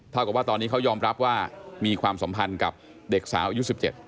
กับว่าตอนนี้เขายอมรับว่ามีความสัมพันธ์กับเด็กสาวอายุ๑๗